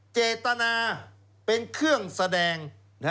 เจตนาเป็นเครื่องแสดง